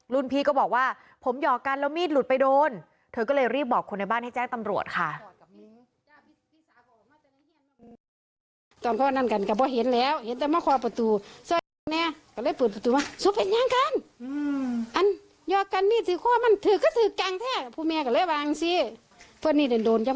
รุ่นพี่ก็บอกว่าผมหยอกกันแล้วมีดหลุดไปโดน